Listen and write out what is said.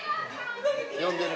呼んでる。